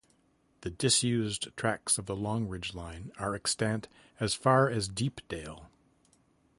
The disused tracks of the Longridge line are extant as far as Deepdale.